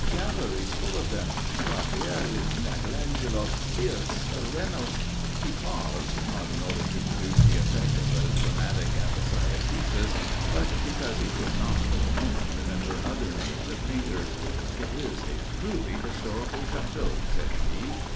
"Galleries full of them. Raphael, Michael Angelo, Wiertz, Reynolds " He paused, not in order to produce the effect of a dramatic aposiopesis, but because he could not for the moment remember other names of painters. "It is a truly historical château," said he.